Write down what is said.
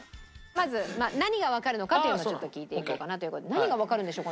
まず何がわかるのかというのをちょっと聞いていこうかなという事で何がわかるんでしょう？